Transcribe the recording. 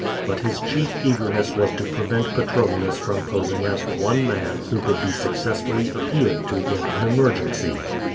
But his chief eagerness was to prevent Petronius from posing as the one man who could be successfully appealed to in an emergency.